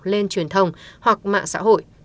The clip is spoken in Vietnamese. lên truyền thông hoặc mạng xã hội